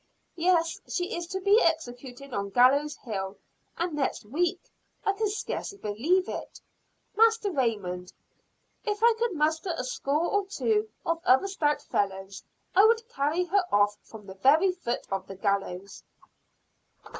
"Yes, she is to be executed on Gallows Hill; and next week! I can scarcely believe it, Master Raymond. If I could muster a score or two of other stout fellows, I would carry her off from the very foot of the gallows."